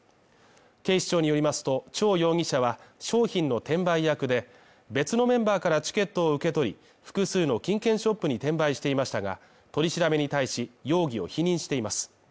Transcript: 警視庁によりますと、張容疑者は、商品の転売役で別のメンバーからチケットを受け取り、複数の金券ショップに転売していましたが、取り調べに対し容疑を否認しています。